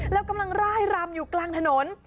แล้วกำลังร่ายรำอยู่กลางถนน